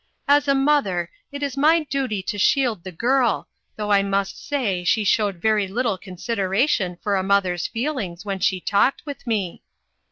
As a mother, it is my duty to shield the girl, though I must say she showed very little consideration for a mother's feel ings when she talked with me."